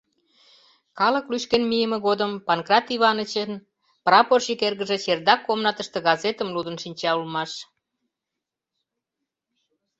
Калык лӱшкен мийыме годым Панкрат Иванычын прапорщик эргыже чердак комнатыште газетым лудын шинча улмаш.